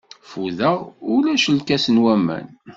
Ffudeɣ, ulac lkas n waman?